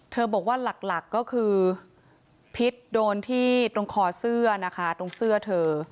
บอกว่าหลักก็คือพิษโดนที่ตรงคอเสื้อนะคะตรงเสื้อเธอ